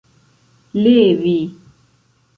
levi